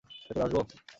ভেতরে আসবো?